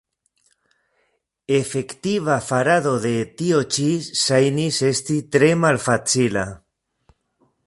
Efektiva farado de tio ĉi ŝajnis esti tre malfacila.